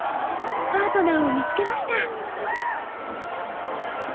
パートナーを見つけました。